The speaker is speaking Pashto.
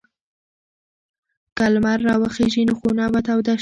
که لمر راوخېژي خونه به توده شي.